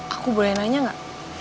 aku boleh nanya gak